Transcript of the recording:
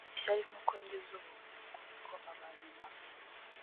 utewe ishyari n uko ngize ubuntu uko ni ko aba nyuma